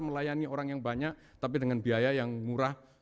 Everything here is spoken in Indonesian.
melayani orang yang banyak tapi dengan biaya yang murah